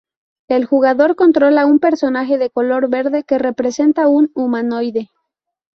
El jugador controla un personaje de color verde, que representa un humanoide.